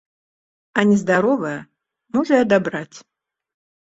А нездаровае можа і адабраць.